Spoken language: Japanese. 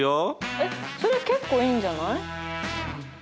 えっそれ結構いいんじゃない？